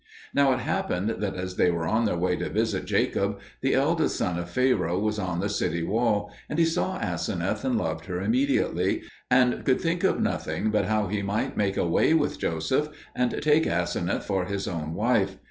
Now it happened that as they were on their way to visit Jacob, the eldest son of Pharaoh was on the city wall, and he saw Aseneth and loved her immediately, and could think of nothing but how he might make away with Joseph and take Aseneth for his own wife.